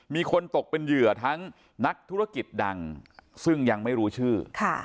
มีคนตกเป็นเหยื่อทั้งนักธุรกิจดังซึ่งยังไม่รู้ชื่อ